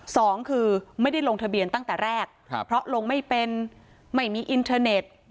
สองคือไม่ได้ลงทะเบียนตั้งแต่แรกเพราะลงไม่เป็นไม่มีอินเทอร์เน็ต